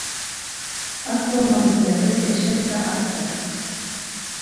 At bolmadyk ýerde eşek-de atdyr!